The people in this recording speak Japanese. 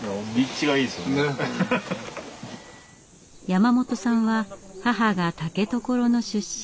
山本さんは母が竹所の出身。